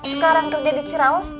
sekarang kerja di ciraus